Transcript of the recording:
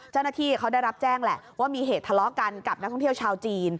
เจ้าหน้าที่เขาได้รับแจ้งแหละว่ามีเหตุทะเลาะกันกับนักท่องเที่ยวชาวจีน